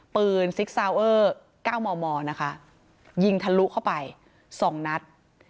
ซิกซาวเออร์๙มมนะคะยิงทะลุเข้าไป๒นัด